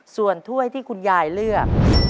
ส่วนถ้วยที่คุณยายเลือก